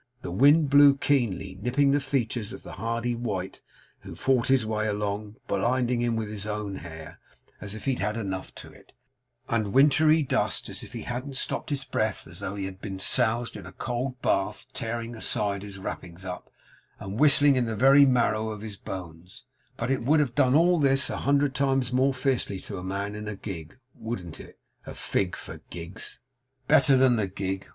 The wind blew keenly, nipping the features of the hardy wight who fought his way along; blinding him with his own hair if he had enough to it, and wintry dust if he hadn't; stopping his breath as though he had been soused in a cold bath; tearing aside his wrappings up, and whistling in the very marrow of his bones; but it would have done all this a hundred times more fiercely to a man in a gig, wouldn't it? A fig for gigs! Better than the gig!